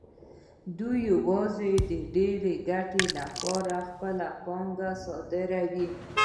دوی یوازې د ډېرې ګټې لپاره خپله پانګه صادروي